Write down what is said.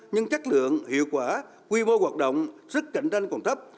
nhưng chất lượng hiệu quả quy mô hoạt động sức cạnh tranh còn thấp